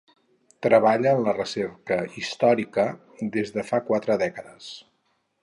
Treballa en la recerca històrica des de fa quatre dècades.